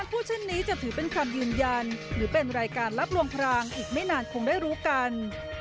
พูดเช่นนี้จะถือเป็นคำยืนยันหรือเป็นรายการรับลวงพรางอีกไม่นานคงได้รู้กัน